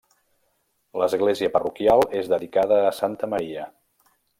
L'església parroquial és dedicada a Santa Maria.